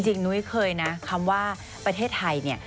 นุ้ยเคยนะคำว่าประเทศไทยเนี่ย